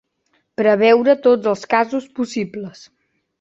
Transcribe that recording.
Preveure tots els casos possibles.